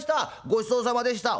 ごちそうさまでした。